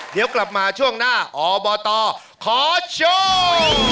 เดี๋ยวกลับมาช่วงหน้าอบตขอโชค